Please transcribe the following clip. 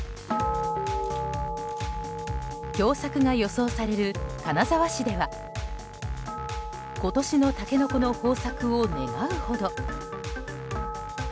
凶作が予想される金沢市では今年のタケノコの豊作を願うほど。